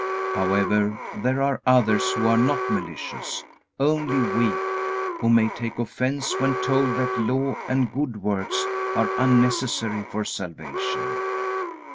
However, there are others who are not malicious, only weak, who may take offense when told that Law and good works are unnecessary for salvation.